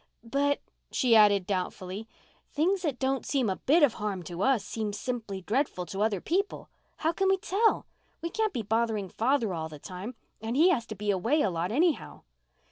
"But," she added doubtfully, "things that don't seem a bit of harm to US seem simply dreadful to other people. How can we tell? We can't be bothering father all the time—and he has to be away a lot, anyhow."